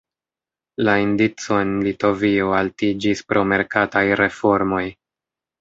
La indico en Litovio altiĝis pro merkataj reformoj.